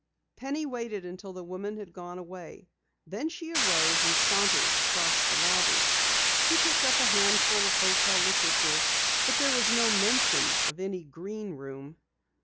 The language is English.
Penny waited until after the woman had gone away. Then she arose and sauntered across the lobby. She picked up a handful of hotel literature but there was no mention of any Green Room.